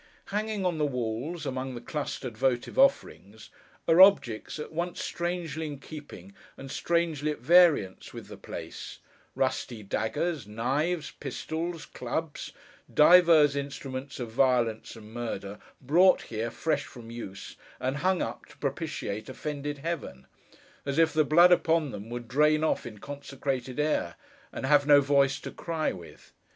Hanging on the walls, among the clustered votive offerings, are objects, at once strangely in keeping, and strangely at variance, with the place—rusty daggers, knives, pistols, clubs, divers instruments of violence and murder, brought here, fresh from use, and hung up to propitiate offended Heaven: as if the blood upon them would drain off in consecrated air, and have no voice to cry with.